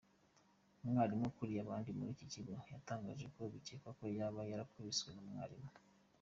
Umwarimu ukuriye abandi muri iki kigo yatangaje ko bikekwa ko yaba yarakubiswe n’umwarimu.